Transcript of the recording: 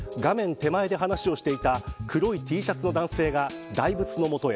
手前で話をしていた黒いＴシャツの男性が大仏の元へ。